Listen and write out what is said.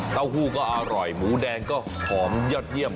เต้าหู้ก็อร่อยหมูแดงก็หอมยอดเยี่ยม